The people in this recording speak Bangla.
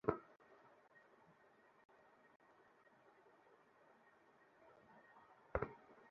অ্যাম্বুলেন্স-সেবা আমরা ফায়ার সার্ভিস অ্যান্ড সিভিল ডিফেন্সের সঙ্গে সংযুক্ত করার প্রস্তাব করেছিলাম।